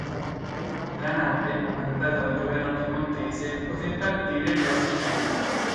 La nave, mandata dal governo piemontese, poté partire verso Genova.